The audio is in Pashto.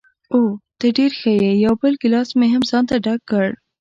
اوه، ته ډېره ښه یې، یو بل ګیلاس مې هم ځانته ډک کړ.